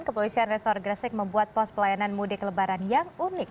kepolisian resor gresik membuat pos pelayanan mudik lebaran yang unik